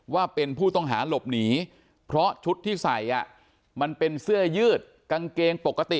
ว่าเป็นผู้ต้องหาหลบหนีเพราะชุดที่ใส่มันเป็นเสื้อยืดกางเกงปกติ